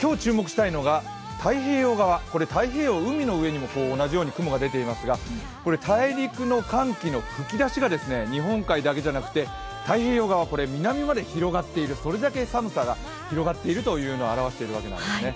今日注目したいのが太平洋側、太平洋の海の上にも同じように雲が出ていますが大陸の寒気の吹き出しが日本海だけじゃなくて太平洋側の南まで広がってる、それだけ寒さが広がっているというのを表しているわけなんですね。